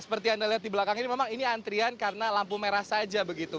seperti anda lihat di belakang ini memang ini antrian karena lampu merah saja begitu